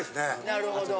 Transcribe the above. なるほど。